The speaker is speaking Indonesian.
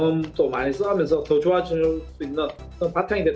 bisa lebih banyak menggunakan pengalaman di luar negara